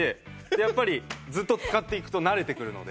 やっぱりずっと使っていくと慣れてくるので。